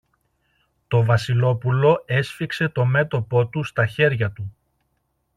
Το Βασιλόπουλο έσφιξε το μέτωπο του στα χέρια του.